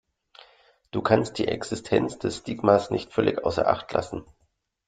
Du kannst die Existenz des Stigmas nicht völlig außer Acht lassen.